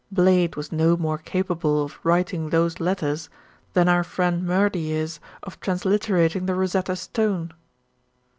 Blade was no more capable of writing those letters than our friend Murdy is of transliterating the Rosetta Stone."